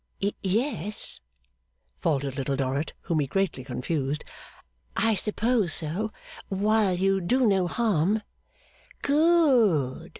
'Ye es,' faltered Little Dorrit, whom he greatly confused, 'I suppose so, while you do no harm.' 'Good!